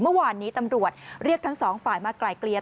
เมื่อวานนี้ตำรวจเรียกทั้งสองฝ่ายมาไกลเกลี่ย